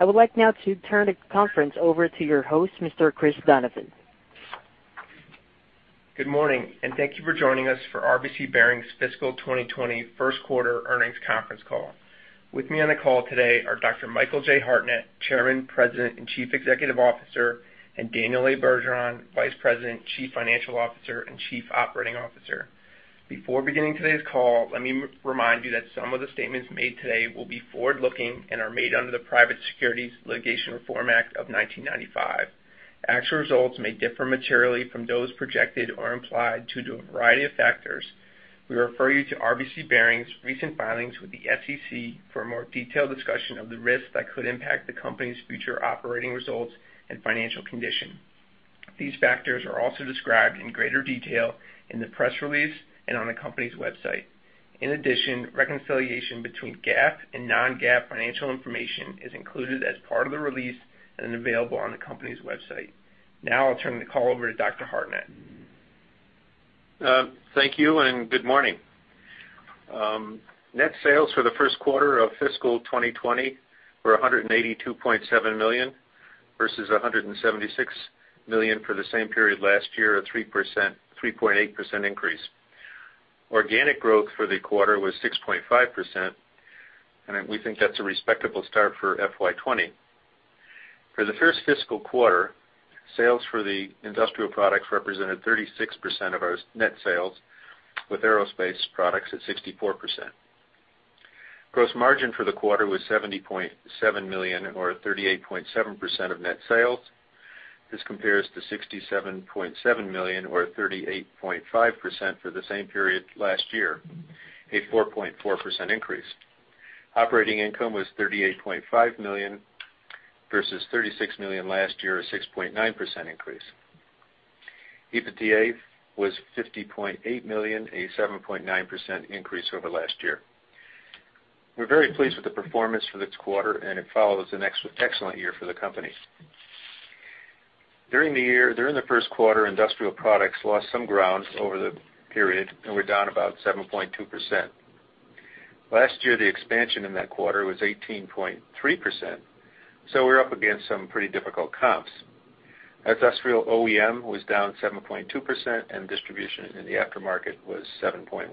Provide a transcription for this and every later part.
I would like now to turn the conference over to your host, Mr. Chris Donovan. Good morning, and thank you for joining us for RBC Bearings Fiscal 2021 first quarter earnings conference call. With me on the call today are Dr. Michael J. Hartnett, Chairman, President, and Chief Executive Officer, and Daniel A. Bergeron, Vice President, Chief Financial Officer, and Chief Operating Officer. Before beginning today's call, let me remind you that some of the statements made today will be forward-looking and are made under the Private Securities Litigation Reform Act of 1995. Actual results may differ materially from those projected or implied due to a variety of factors. We refer you to RBC Bearings' recent filings with the SEC for a more detailed discussion of the risks that could impact the company's future operating results and financial condition. These factors are also described in greater detail in the press release and on the company's website. In addition, reconciliation between GAAP and non-GAAP financial information is included as part of the release and available on the company's website. Now, I'll turn the call over to Dr. Hartnett. Thank you, and good morning. Net sales for the first quarter of fiscal 2020 were $182.7 million, versus $176 million for the same period last year, a 3.8% increase. Organic growth for the quarter was 6.5%, and we think that's a respectable start for FY 2020. For the first fiscal quarter, sales for the industrial products represented 36% of our net sales, with aerospace products at 64%. Gross margin for the quarter was $70.7 million, or 38.7% of net sales. This compares to $67.7 million, or 38.5% for the same period last year, a 4.4% increase. Operating income was $38.5 million versus $36 million last year, a 6.9% increase. EBITDA was $50.8 million, a 7.9% increase over last year. We're very pleased with the performance for this quarter, and it follows an excellent year for the company. During the first quarter, industrial products lost some ground over the period and were down about 7.2%. Last year, the expansion in that quarter was 18.3%, so we're up against some pretty difficult comps. Industrial OEM was down 7.2%, and distribution in the aftermarket was 7.1%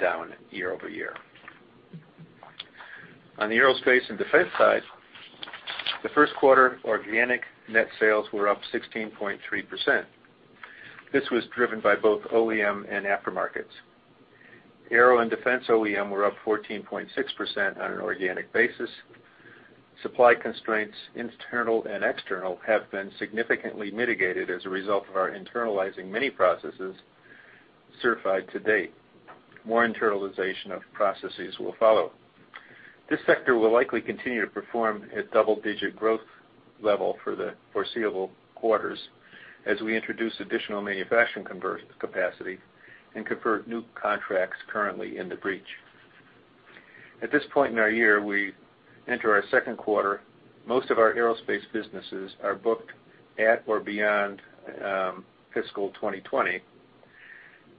down year-over-year. On the aerospace and defense side, the first quarter organic net sales were up 16.3%. This was driven by both OEM and aftermarkets. Aero and defense OEM were up 14.6% on an organic basis. Supply constraints, internal and external, have been significantly mitigated as a result of our internalizing many processes certified to date. More internalization of processes will follow. This sector will likely continue to perform at double-digit growth level for the foreseeable quarters as we introduce additional manufacturing conversion capacity and convert new contracts currently in the breach. At this point in our year, we enter our second quarter. Most of our aerospace businesses are booked at or beyond fiscal 2020.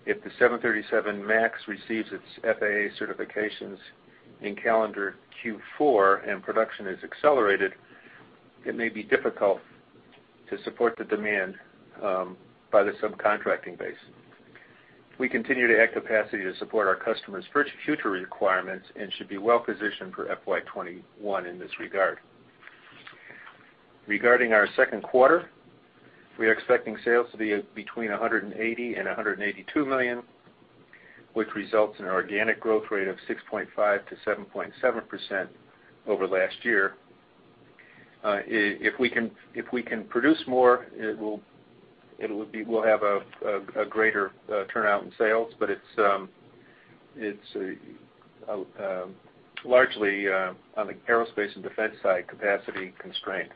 If the 737 MAX receives its FAA certifications in calendar Q4, and production is accelerated, it may be difficult to support the demand by the subcontracting base. We continue to add capacity to support our customers' future requirements and should be well-positioned for FY 2021 in this regard. Regarding our second quarter, we are expecting sales to be between $180 million and $182 million, which results in an organic growth rate of 6.5%-7.7% over last year. If we can, if we can produce more, it will, it will be, we'll have a greater turnout in sales, but it's, it's largely on the aerospace and defense side, capacity constrained.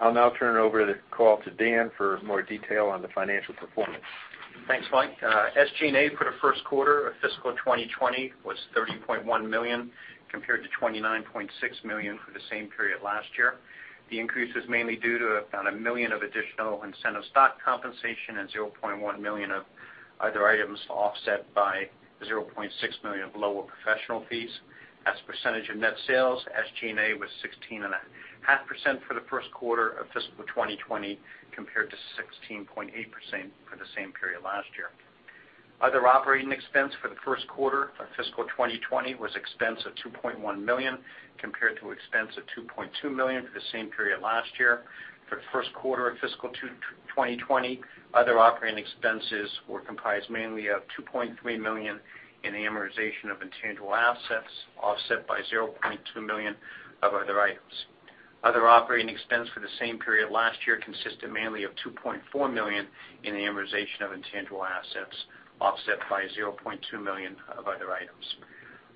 I'll now turn it over the call to Dan for more detail on the financial performance. Thanks, Mike. SG&A for the first quarter of fiscal 2020 was $30.1 million, compared to $29.6 million for the same period last year. The increase is mainly due to about a million of additional incentive stock compensation and zero point one million of other items, offset by zero point six million of lower professional fees. As a percentage of net sales, SG&A was 16.5% for the first quarter of fiscal 2020, compared to 16.8% for the same period last year. Other operating expense for the first quarter of fiscal 2020 was expense of $2.1 million, compared to expense of $2.2 million for the same period last year. For the first quarter of fiscal 2020, other operating expenses were comprised mainly of $2.3 million in amortization of intangible assets, offset by $0.2 million of other items. Other operating expense for the same period last year consisted mainly of $2.4 million in the amortization of intangible assets, offset by $0.2 million of other items.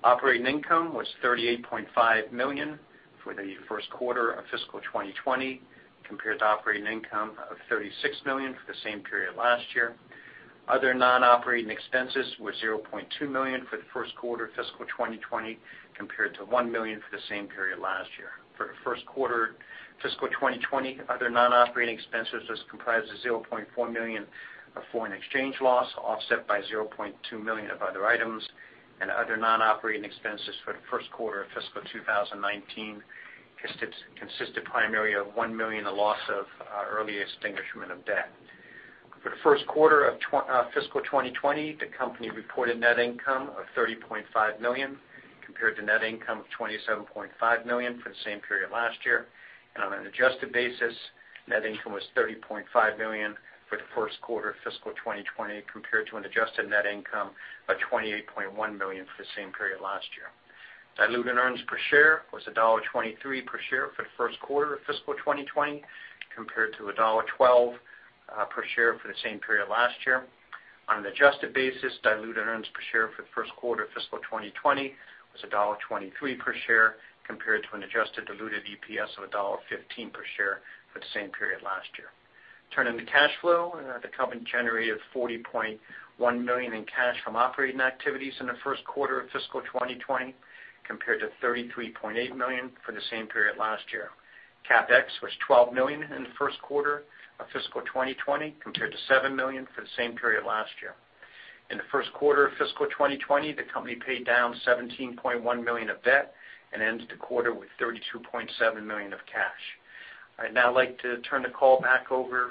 Operating income was $38.5 million for the first quarter of fiscal 2020, compared to operating income of $36 million for the same period last year. Other non-operating expenses were $0.2 million for the first quarter of fiscal 2020, compared to $1 million for the same period last year. ...for the first quarter, fiscal 2020, other non-operating expenses was comprised of $0.4 million of foreign exchange loss, offset by $0.2 million of other items. Other non-operating expenses for the first quarter of fiscal 2019 consist, consisted primarily of $1 million, a loss of early extinguishment of debt. For the first quarter of fiscal 2020, the company reported net income of $30.5 million, compared to net income of $27.5 million for the same period last year. On an adjusted basis, net income was $30.5 million for the first quarter of fiscal 2020, compared to an adjusted net income of $28.1 million for the same period last year. Diluted earnings per share was $1.23 per share for the first quarter of fiscal 2020, compared to $1.12 per share for the same period last year. On an adjusted basis, diluted earnings per share for the first quarter of fiscal 2020 was $1.23 per share, compared to an adjusted diluted EPS of $1.15 per share for the same period last year. Turning to cash flow, the company generated $40.1 million in cash from operating activities in the first quarter of fiscal 2020, compared to $33.8 million for the same period last year. CapEx was $12 million in the first quarter of fiscal 2020, compared to $7 million for the same period last year. In the first quarter of fiscal 2020, the company paid down $17.1 million of debt and ended the quarter with $32.7 million of cash. I'd now like to turn the call back over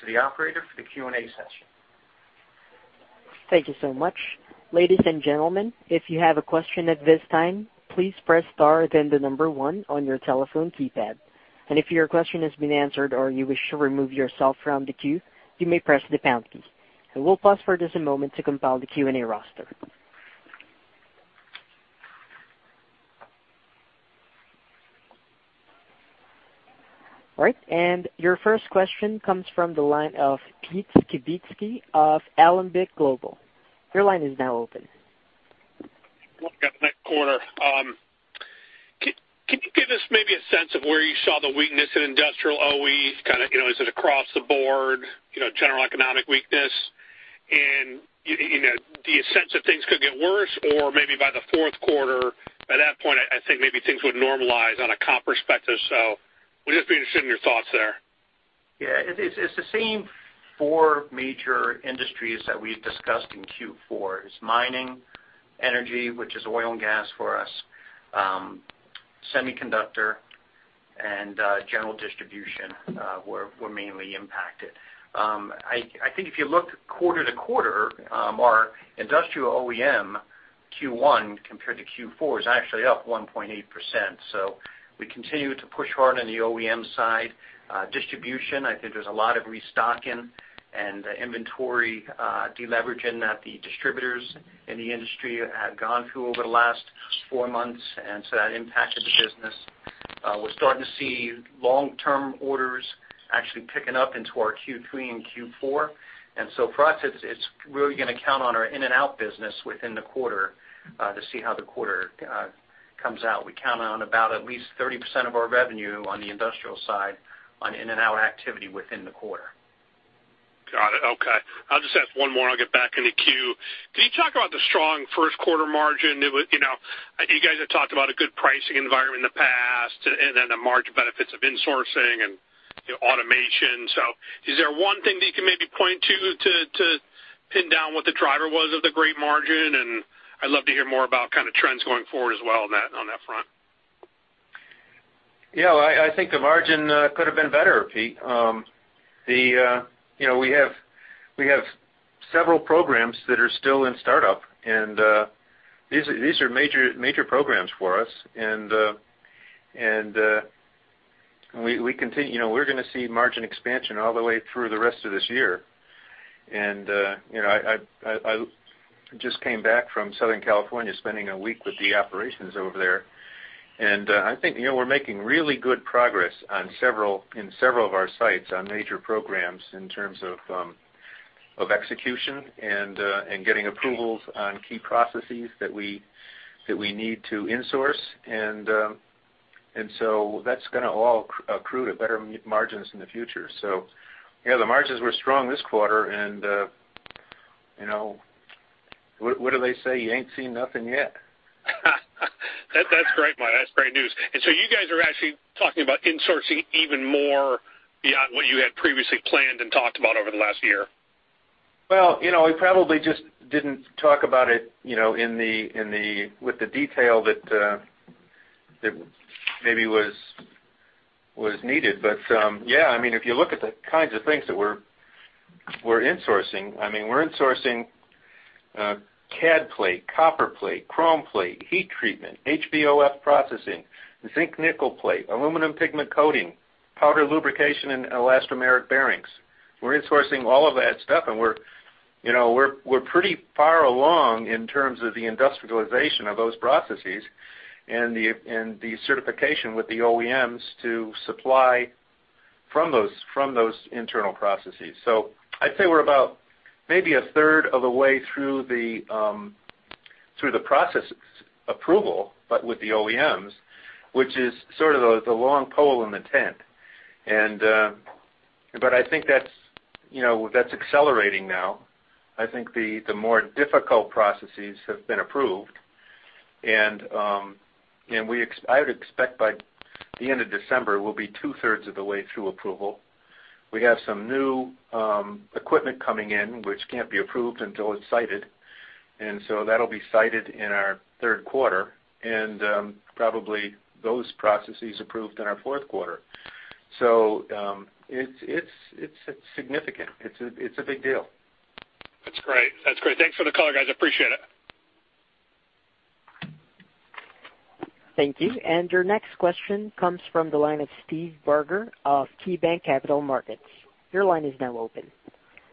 to the operator for the Q&A session. Thank you so much. Ladies and gentlemen, if you have a question at this time, please press star, then the number one on your telephone keypad. If your question has been answered or you wish to remove yourself from the queue, you may press the pound key. We'll pause for just a moment to compile the Q&A roster. All right, your first question comes from the line of Peter Skibitski of Alembic Global Advisors. Your line is now open. Welcome to that quarter. Can you give us maybe a sense of where you saw the weakness in industrial OE? Kind of, you know, is it across the board, you know, general economic weakness? And, you know, do you sense that things could get worse, or maybe by the fourth quarter, by that point, I think maybe things would normalize on a comp perspective. So we'd just be interested in your thoughts there. Yeah, it's the same four major industries that we've discussed in Q4. It's mining, energy, which is oil and gas for us, semiconductor, and general distribution were mainly impacted. I think if you look quarter-over-quarter, our industrial OEM Q1 compared to Q4 is actually up 1.8%. So we continue to push hard on the OEM side. Distribution, I think there's a lot of restocking and inventory deleveraging that the distributors in the industry have gone through over the last four months, and so that impacted the business. We're starting to see long-term orders actually picking up into our Q3 and Q4. And so for us, it's really gonna count on our in and out business within the quarter to see how the quarter comes out. We count on about at least 30% of our revenue on the industrial side, on in and out activity within the quarter. Got it. Okay. I'll just ask one more, and I'll get back in the queue. Can you talk about the strong first quarter margin? You know, you guys have talked about a good pricing environment in the past and, and then the margin benefits of insourcing and, you know, automation. So is there one thing that you can maybe point to, to, to pin down what the driver was of the great margin? And I'd love to hear more about kind of trends going forward as well on that, on that front. Yeah, well, I think the margin could have been better, Pete. You know, we have several programs that are still in startup, and these are major programs for us. And we continue... You know, we're gonna see margin expansion all the way through the rest of this year. And you know, I just came back from Southern California, spending a week with the operations over there. And I think, you know, we're making really good progress in several of our sites on major programs in terms of execution and getting approvals on key processes that we need to insource. And so that's gonna all accrue to better margins in the future. Yeah, the margins were strong this quarter and, you know, what do they say? You ain't seen nothing yet. That, that's great, Mike. That's great news. And so you guys are actually talking about insourcing even more beyond what you had previously planned and talked about over the last year? Well, you know, we probably just didn't talk about it, you know, in the with the detail that maybe was needed. But yeah, I mean, if you look at the kinds of things that we're insourcing, I mean, we're insourcing Cad plate, copper plate, chrome plate, heat treatment, HVOF processing, zinc nickel plate, aluminum pigment coating, powder lubrication, and elastomeric bearings. We're insourcing all of that stuff, and we're, you know, we're pretty far along in terms of the industrialization of those processes and the certification with the OEMs to supply from those internal processes. So I'd say we're about maybe a third of the way through the process approval with the OEMs, which is sort of the long pole in the tent. And... But I think that's, you know, that's accelerating now. I think the more difficult processes have been approved, and we, I would expect by the end of December, we'll be two thirds of the way through approval. We have some new equipment coming in, which can't be approved until it's sited, and so that'll be sited in our third quarter, and probably those processes approved in our fourth quarter. So, it's significant. It's a big deal. That's great. That's great. Thanks for the call, guys. I appreciate it. Thank you. And your next question comes from the line of Steve Barger of KeyBanc Capital Markets. Your line is now open.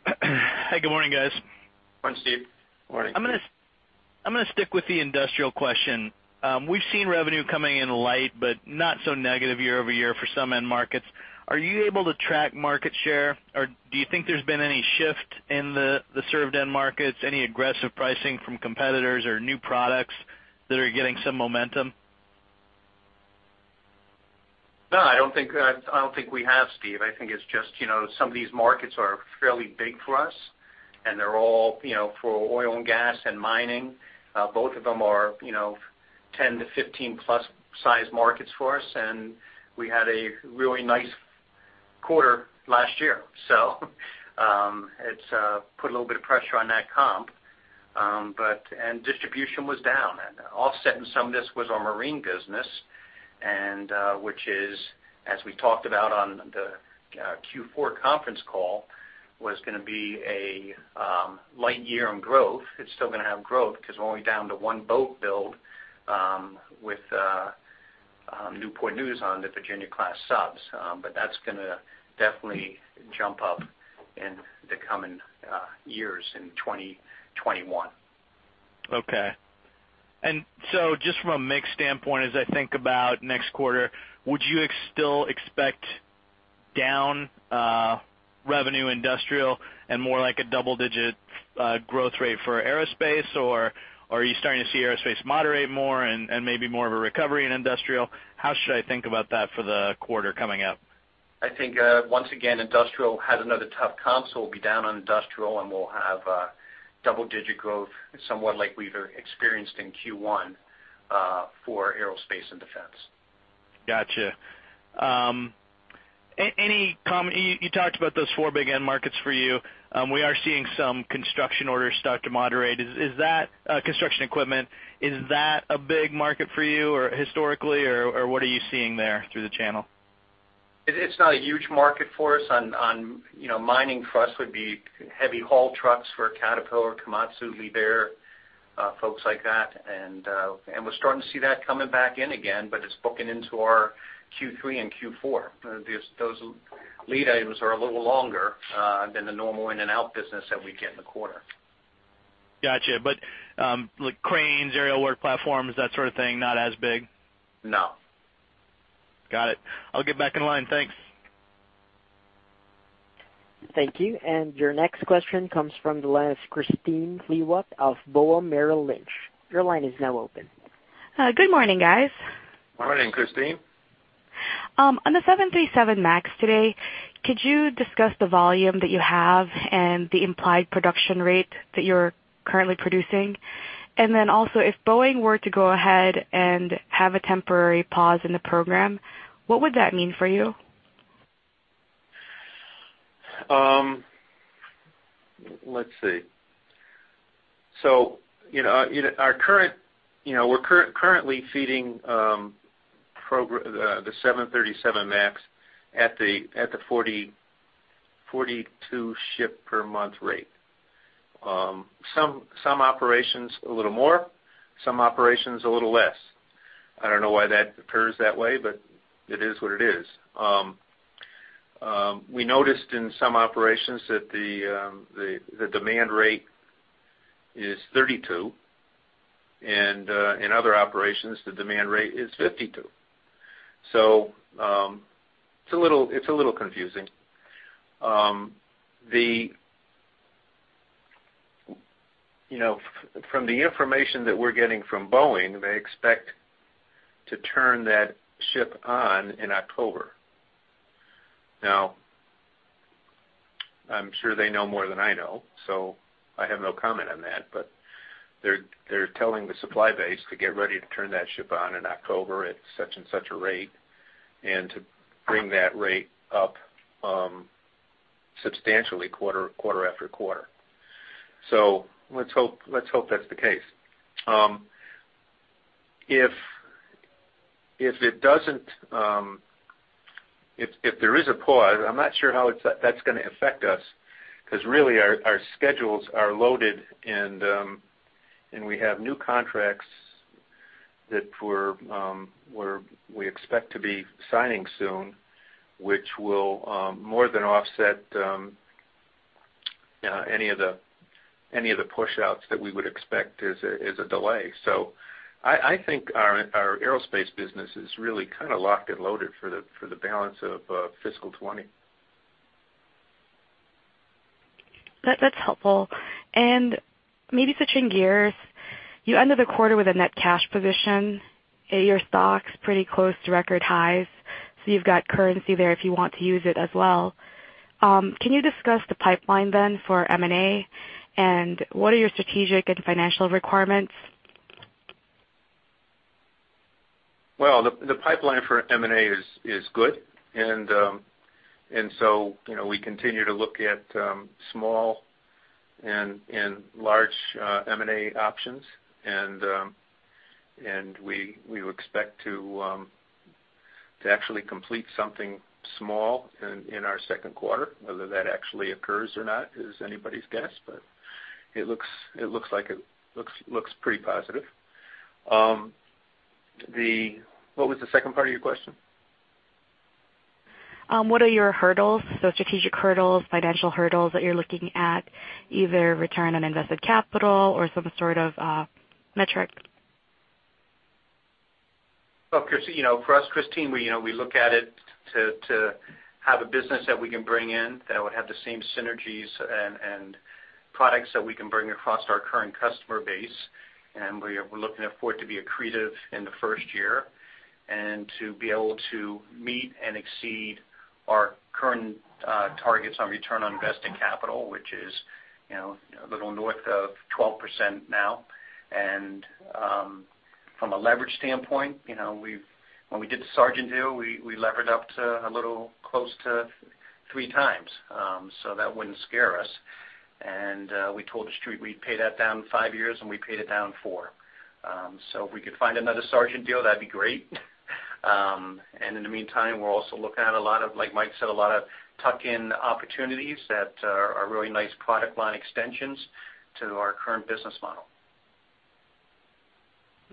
Hi, good morning, guys. Morning, Steve. Morning. I'm gonna, I'm gonna stick with the industrial question. We've seen revenue coming in light, but not so negative year-over-year for some end markets. Are you able to track market share, or do you think there's been any shift in the, the served end markets? Any aggressive pricing from competitors or new products that are getting some momentum? No, I don't think, I don't think we have, Steve. I think it's just, you know, some of these markets are fairly big for us, and they're all, you know, for oil and gas and mining. Both of them are, you know, 10-15+ size markets for us, and we had a really nice quarter last year. So, it's put a little bit of pressure on that comp. But distribution was down, and offsetting some of this was our marine business, and which is, as we talked about on the Q4 conference call, was gonna be a light year on growth. It's still gonna have growth because we're only down to 1 boat build, with Newport News on the Virginia-class subs. But that's gonna definitely jump up in the coming years in 2021. Okay. And so just from a mix standpoint, as I think about next quarter, would you still expect down revenue industrial and more like a double-digit growth rate for aerospace? Or are you starting to see aerospace moderate more and maybe more of a recovery in industrial? How should I think about that for the quarter coming up? I think, once again, industrial has another tough comp, so we'll be down on industrial, and we'll have double-digit growth, somewhat like we've experienced in Q1, for aerospace and defense. Gotcha. You talked about those four big end markets for you. We are seeing some construction orders start to moderate. Is that construction equipment a big market for you or historically, or what are you seeing there through the channel? It's not a huge market for us. On, on, you know, mining for us would be heavy haul trucks for Caterpillar, Komatsu, Liebherr, folks like that. And, and we're starting to see that coming back in again, but it's booking into our Q3 and Q4. Those, those lead items are a little longer than the normal in-and-out business that we get in the quarter. Gotcha. But, like cranes, aerial work platforms, that sort of thing, not as big? No. Got it. I'll get back in line. Thanks. Thank you. Your next question comes from the line of Kristine Liwag of Bank of America Merrill Lynch. Your line is now open. Good morning, guys. Morning, Christine. On the 737 MAX today, could you discuss the volume that you have and the implied production rate that you're currently producing? And then also, if Boeing were to go ahead and have a temporary pause in the program, what would that mean for you? Let's see. So, you know, our current, you know, we're currently feeding the 737 MAX at the 40-42 ship per month rate. Some operations, a little more, some operations, a little less. I don't know why that occurs that way, but it is what it is. We noticed in some operations that the demand rate is 32, and in other operations, the demand rate is 52. So, it's a little confusing. You know, from the information that we're getting from Boeing, they expect to turn that ship on in October. Now, I'm sure they know more than I know, so I have no comment on that. But they're telling the supply base to get ready to turn that ship on in October at such and such a rate, and to bring that rate up substantially quarter after quarter. So let's hope, let's hope that's the case. If it doesn't, if there is a pause, I'm not sure how that's gonna affect us, 'cause really, our schedules are loaded, and we have new contracts that we're, we expect to be signing soon, which will more than offset any of the push outs that we would expect as a delay. So I think our aerospace business is really kind of locked and loaded for the balance of fiscal 2020.... That, that's helpful. And maybe switching gears, you ended the quarter with a net cash position, and your stock's pretty close to record highs, so you've got currency there if you want to use it as well. Can you discuss the pipeline then for M&A? And what are your strategic and financial requirements? Well, the pipeline for M&A is good, and so, you know, we continue to look at small and large M&A options. And we would expect to actually complete something small in our second quarter. Whether that actually occurs or not is anybody's guess, but it looks pretty positive. What was the second part of your question? What are your hurdles, so strategic hurdles, financial hurdles, that you're looking at, either return on invested capital or some sort of metric? Well, Chris, you know, for us, Kristine, we, you know, we look at it to, to have a business that we can bring in, that would have the same synergies and, and products that we can bring across our current customer base. And we're, we're looking for it to be accretive in the first year, and to be able to meet and exceed our current targets on return on invested capital, which is, you know, a little north of 12% now. And from a leverage standpoint, you know, we've, when we did the Sargent deal, we, we levered up to a little close to 3 times, so that wouldn't scare us. And we told the Street we'd pay that down 5 years, and we paid it down 4. So if we could find another Sargent deal, that'd be great. And in the meantime, we're also looking at a lot of, like Mike said, a lot of tuck-in opportunities that are really nice product line extensions to our current business model.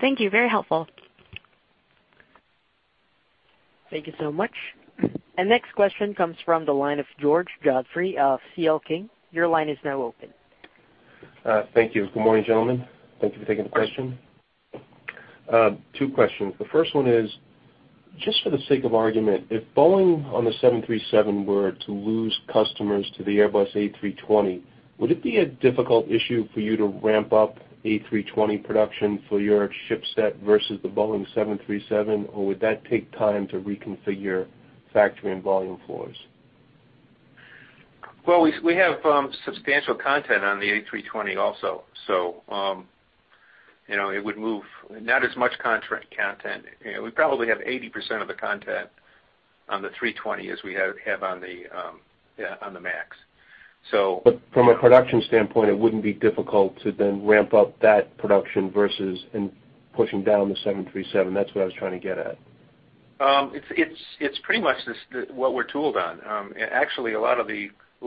Thank you, very helpful. Thank you so much. Next question comes from the line of George Godfrey of CL King. Your line is now open. Thank you. Good morning, gentlemen. Thank you for taking the question. Two questions. The first one is, just for the sake of argument, if Boeing, on the 737, were to lose customers to the Airbus A320, would it be a difficult issue for you to ramp up A320 production for your ship set versus the Boeing 737, or would that take time to reconfigure factory and volume floors? Well, we have substantial content on the A320 also. So, you know, it would move not as much contract content. You know, we probably have 80% of the content on the A320 as we have on the MAX. So- But from a production standpoint, it wouldn't be difficult to then ramp up that production versus, and pushing down the 737? That's what I was trying to get at. It's pretty much what we're tooled on. And actually,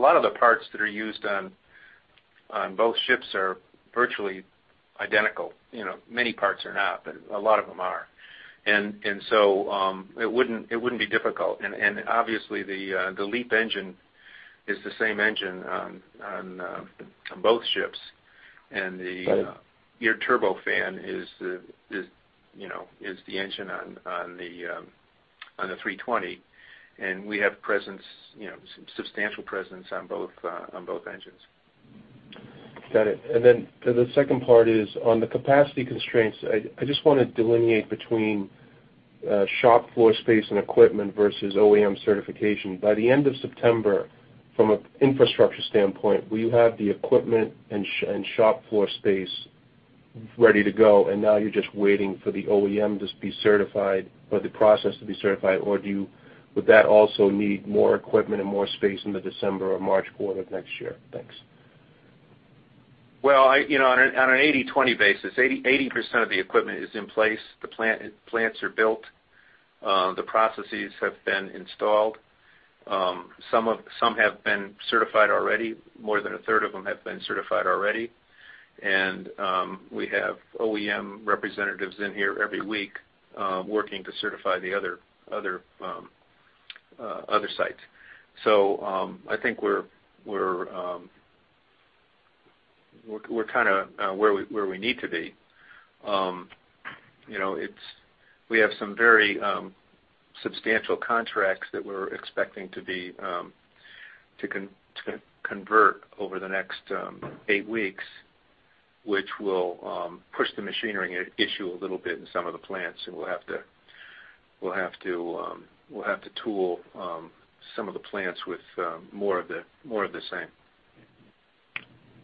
a lot of the parts that are used on both ships are virtually identical. You know, many parts are not, but a lot of them are. And so, it wouldn't be difficult. And obviously, the LEAP engine is the same engine on both ships. Right. And your turbofan is, you know, the engine on the A320, and we have presence, you know, substantial presence on both engines. Got it. And then the second part is, on the capacity constraints, I just want to delineate between shop floor space and equipment versus OEM certification. By the end of September, from an infrastructure standpoint, will you have the equipment and shop floor space ready to go, and now you're just waiting for the OEM to be certified, or the process to be certified? Or would that also need more equipment and more space in the December or March quarter of next year? Thanks. Well, you know, on an 80-20 basis, 80% of the equipment is in place. The plants are built. The processes have been installed. Some have been certified already, more than a third of them have been certified already. And we have OEM representatives in here every week, working to certify the other sites. So, I think we're kind of where we need to be. You know, we have some very substantial contracts that we're expecting to convert over the next 8 weeks, which will push the machinery issue a little bit in some of the plants, and we'll have to tool some of the plants with more of the same.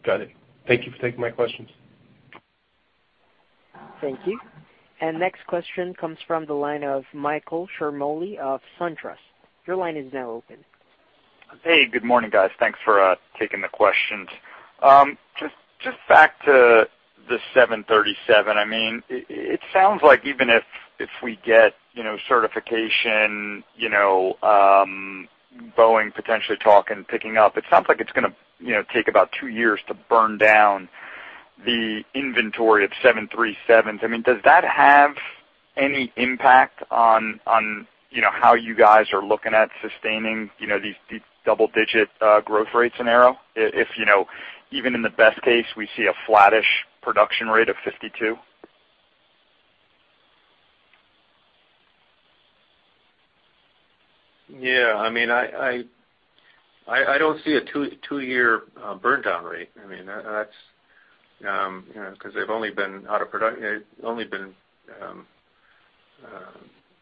Got it. Thank you for taking my questions. Thank you. Next question comes from the line of Michael Ciarmoli of SunTrust. Your line is now open. Hey, good morning, guys. Thanks for taking the questions. Just back to the 737, I mean, it sounds like even if we get, you know, certification, you know, Boeing potentially talk and picking up, it sounds like it's gonna, you know, take about 2 years to burn down the inventory of 737s. I mean, does that have any impact on, you know, how you guys are looking at sustaining, you know, these double-digit growth rates in Aero? If, you know, even in the best case, we see a flattish production rate of 52? ... Yeah, I mean, I don't see a two-year burndown rate. I mean, that's, you know, 'cause they've only been out of production,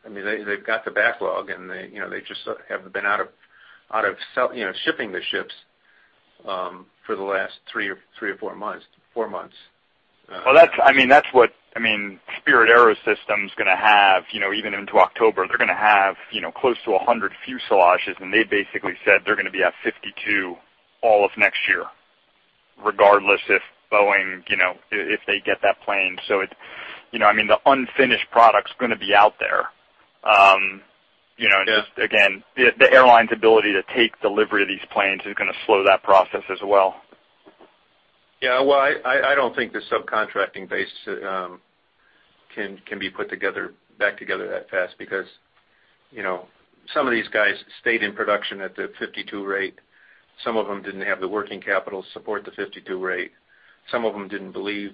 I mean, they've got the backlog, and they, you know, they just have been out of service, you know, shipping the ships for the last three or four months. Well, that's, I mean, that's what, I mean, Spirit AeroSystems gonna have, you know, even into October, they're gonna have, you know, close to 100 fuselages, and they basically said they're gonna be at 52 all of next year, regardless if Boeing, you know, if they get that plane. So it... You know, I mean, the unfinished product's gonna be out there. You know, Yeah. Just again, the airline's ability to take delivery of these planes is gonna slow that process as well. Yeah, well, I don't think the subcontracting base can be put together, back together that fast because, you know, some of these guys stayed in production at the 52 rate. Some of them didn't have the working capital to support the 52 rate. Some of them didn't believe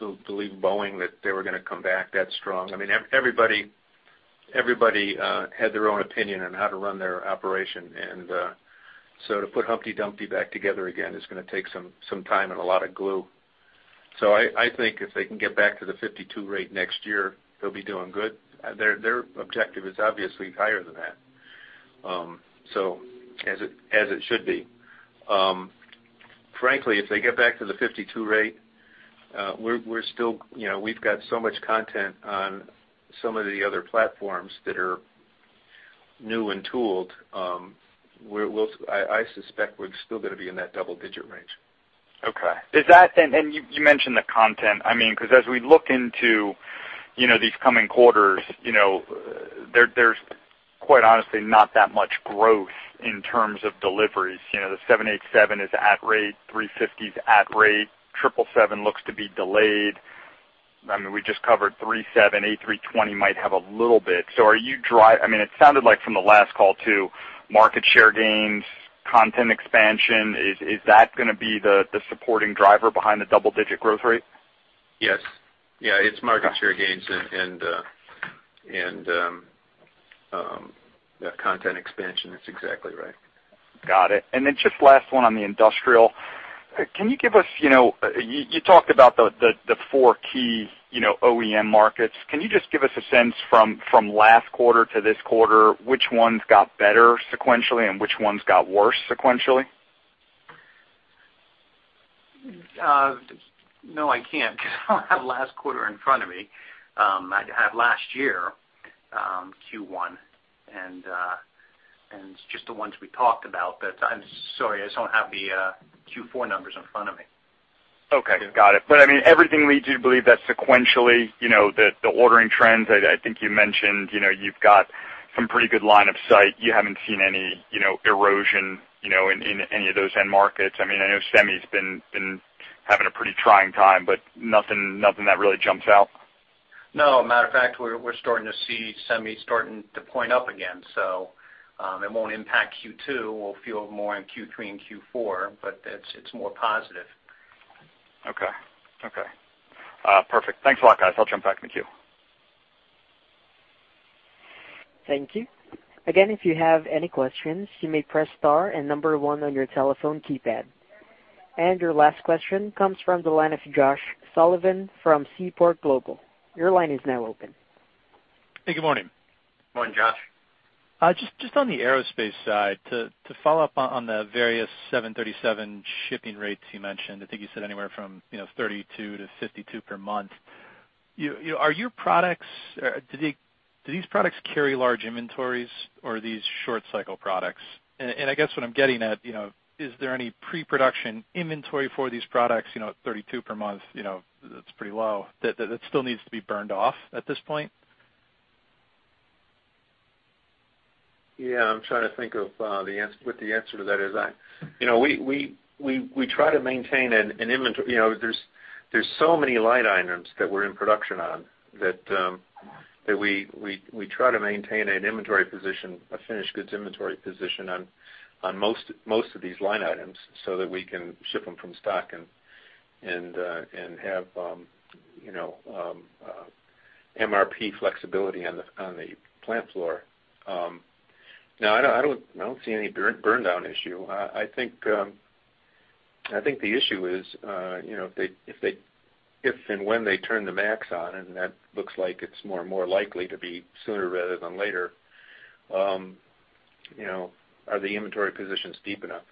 Boeing that they were gonna come back that strong. I mean, everybody had their own opinion on how to run their operation, and so to put Humpty Dumpty back together again is gonna take some time and a lot of glue. So I think if they can get back to the 52 rate next year, they'll be doing good. Their objective is obviously higher than that, so as it should be. Frankly, if they get back to the 52 rate, we're still, you know, we've got so much content on some of the other platforms that are new and tooled. We'll, I suspect we're still gonna be in that double-digit range. Okay. Is that, and you mentioned the content. I mean, 'cause as we look into, you know, these coming quarters, you know, there's quite honestly not that much growth in terms of deliveries. You know, the 787 is at rate, A350 is at rate, 777 looks to be delayed. I mean, we just covered 737, A320 might have a little bit. So are you, I mean, it sounded like from the last call, too, market share gains, content expansion, is that gonna be the supporting driver behind the double-digit growth rate? Yes. Yeah, it's market share gains and yeah, content expansion. That's exactly right. Got it. And then just last one on the industrial. Can you give us, you know, you talked about the four key, you know, OEM markets. Can you just give us a sense from last quarter to this quarter, which ones got better sequentially and which ones got worse sequentially? No, I can't, because I don't have last quarter in front of me. I have last year, Q1, and just the ones we talked about. But I'm sorry, I don't have the Q4 numbers in front of me. Okay, got it. But, I mean, everything leads you to believe that sequentially, you know, the ordering trends, I think you mentioned, you know, you've got some pretty good line of sight. You haven't seen any, you know, erosion, you know, in any of those end markets. I mean, I know semi's been having a pretty trying time, but nothing that really jumps out? No. Matter of fact, we're starting to see semi starting to point up again, so it won't impact Q2. We'll feel it more in Q3 and Q4, but it's more positive. Okay. Okay. Perfect. Thanks a lot, guys. I'll jump back in the queue. Thank you. Again, if you have any questions, you may press star and number one on your telephone keypad. Your last question comes from the line of Josh Sullivan from Seaport Global. Your line is now open. Hey, good morning. Morning, Josh. Just, just on the aerospace side, to, to follow up on, on the various 737 shipping rates you mentioned, I think you said anywhere from, you know, 32 to 52 per month. You... Are your products, do they, do these products carry large inventories, or are these short cycle products? And, and I guess what I'm getting at, you know, is there any pre-production inventory for these products, you know, at 32 per month, you know, that's pretty low, that, that still needs to be burned off at this point? Yeah, I'm trying to think of what the answer to that is. You know, we try to maintain an inventory. You know, there's so many line items that we're in production on, that we try to maintain an inventory position, a finished goods inventory position on most of these line items so that we can ship them from stock and have MRP flexibility on the plant floor. No, I don't see any burndown issue. I think, I think the issue is, you know, if they, if they, if and when they turn the max on, and that looks like it's more and more likely to be sooner rather than later, you know, are the inventory positions deep enough?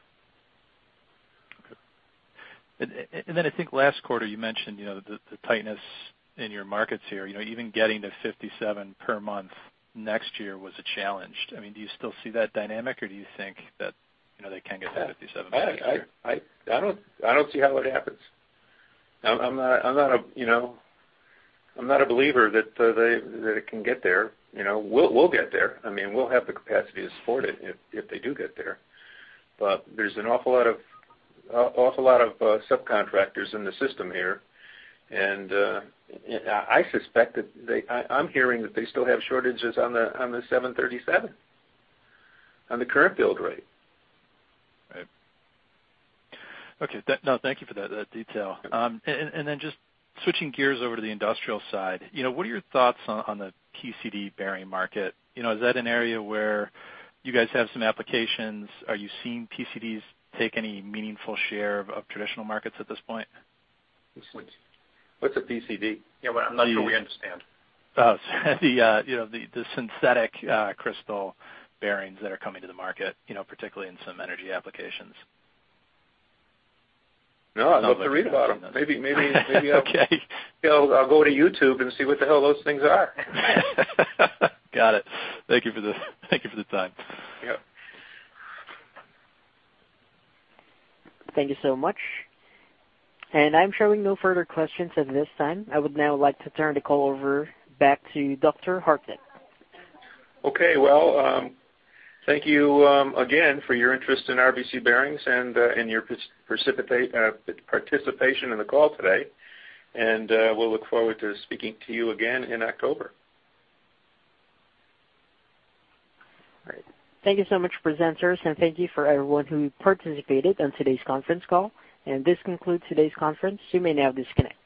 Okay. And then I think last quarter you mentioned, you know, the tightness in your markets here, you know, even getting to 57 per month next year was a challenge. I mean, do you still see that dynamic, or do you think that, you know, they can get to 57 next year? I don't see how it happens. I'm not, you know, a believer that it can get there. You know, we'll get there. I mean, we'll have the capacity to support it if they do get there. But there's an awful lot of subcontractors in the system here, and I suspect that they... I'm hearing that they still have shortages on the 737, on the current build rate. Right. Okay, thank you for that, that detail. And then just switching gears over to the industrial side, you know, what are your thoughts on the PCD bearing market? You know, is that an area where you guys have some applications? Are you seeing PCDs take any meaningful share of traditional markets at this point? What's a PCD? Yeah, I'm not sure we understand. Oh, you know, the synthetic crystal bearings that are coming to the market, you know, particularly in some energy applications. No, I'd love to read about them. Maybe, maybe, maybe I'll- Okay. You know, I'll go to YouTube and see what the hell those things are. Got it. Thank you for the time. Yep. Thank you so much. I'm showing no further questions at this time. I would now like to turn the call over back to Dr. Hartnett. Okay, well, thank you again for your interest in RBC Bearings and your participation in the call today, and we'll look forward to speaking to you again in October. All right. Thank you so much, presenters, and thank you for everyone who participated on today's conference call. This concludes today's conference. You may now disconnect.